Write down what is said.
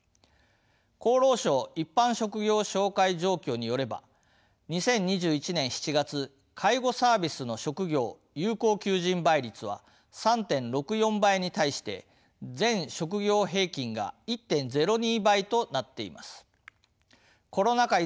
厚労省「一般職業紹介状況」によれば２０２１年７月介護サービスの職業有効求人倍率は３．６４倍に対して全職業平均が１．０２倍となっています。